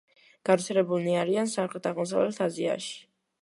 გავრცელებულნი არიან სამხრეთ-აღმოსავლეთ აზიაში.